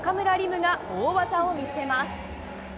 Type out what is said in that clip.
夢が大技を見せます。